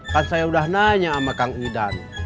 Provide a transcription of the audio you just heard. kan saya udah nanya sama kang idan